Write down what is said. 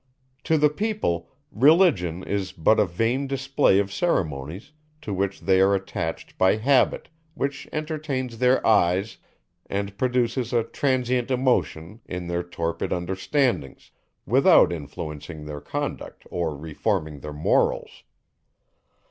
To the people, Religion is but a vain display of ceremonies, to which they are attached by habit, which entertains their eyes, and produces a transient emotion in their torpid understandings, without influencing their conduct or reforming their morals.